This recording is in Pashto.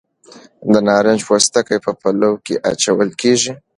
د نارنج پوستکي په پلو کې اچول کیږي.